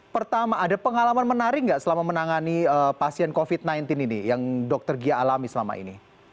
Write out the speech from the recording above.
pertama ada pengalaman menarik nggak selama menangani pasien covid sembilan belas ini yang dokter gia alami selama ini